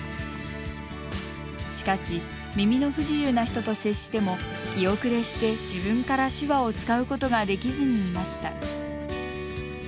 しかし耳の不自由な人と接しても気後れして、自分から手話を使うことができずにいました。